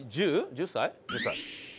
１０歳。